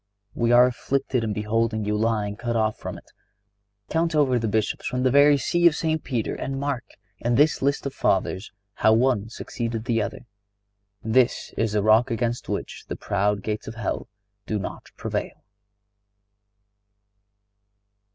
We are afflicted in beholding you lying cut off from it. Count over the Bishops from the very See of St. Peter, and mark, in this list of Fathers, how one succeeded the other. This is the rock against which the proud gates of hell do not prevail."